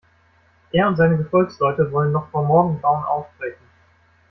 Er und seine Gefolgsleute wollen noch vor Morgengrauen aufbrechen.